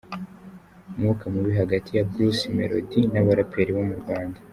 Umwuka mubi hagati ya Brusi merodi n’abaraperi bo mu Rwanda